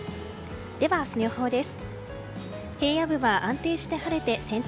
では、明日の予報です。